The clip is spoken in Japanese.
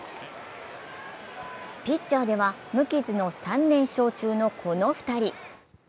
ピッチャーでは無傷の３連勝中のこの２人。